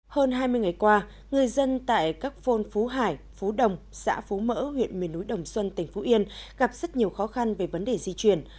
hơn hai mươi ngày qua người dân tại các phôn phú hải phú đồng xã phú mỡ huyện miền núi đồng xuân tỉnh phú yên gặp rất nhiều khó khăn về vấn đề di chuyển